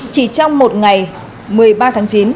chỉ trong một ngày một mươi ba tháng chín